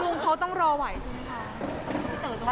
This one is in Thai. ลุงเขาต้องรอไหวใช่ไหมคะ